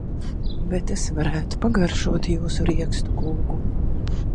Bet es varētu pagaršotjūsu riekstu kūku.